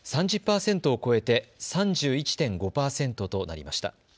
３０％を超えて３１．５％となりました。